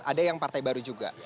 ada yang partai baru juga